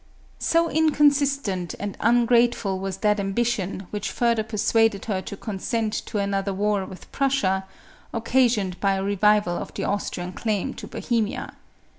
So inconsistent and ungrateful was that ambition which further persuaded her to consent to another war with Prussia, occasioned by a revival of the Austrian claim to Bohemia.